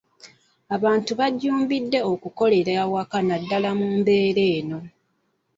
Abantu bajjumbidde okukolera awaka naddala mu mbeera eno.